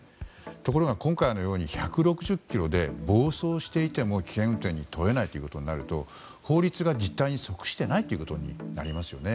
ところが、今回のように１６０キロで暴走していても危険運転に問えないということになると法律が実態に即していないということになりますよね。